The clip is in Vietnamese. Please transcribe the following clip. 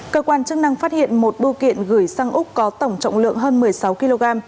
cơ quan chức năng phát hiện một bưu kiện gửi sang úc có tổng trọng lượng hơn một mươi sáu kg